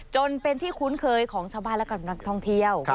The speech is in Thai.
จนเป็นที่คุ้นเคยของชาวบ้านและกับนักท่องเที่ยว